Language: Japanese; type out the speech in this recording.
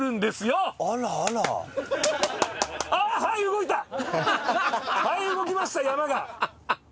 はい動きました山が。